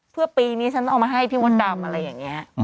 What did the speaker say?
เพื่อปีนี้ฉันเอามาให้พี่มดดำอะไรอย่างนี้